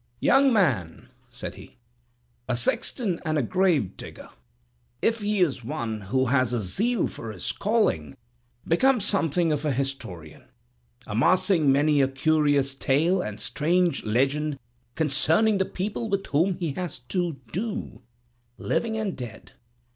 "Young man," said he, "a sexton and a grave digger, if he is one who has a zeal for his calling, becomes something of an historian, amassing many a curious tale and strange legend concerning the people with whom he has to do, living and dead.